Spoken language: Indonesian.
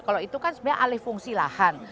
kalau itu kan sebenarnya alih fungsi lahan